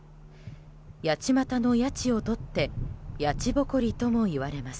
八街の「やち」をとってやちぼこりともいわれます。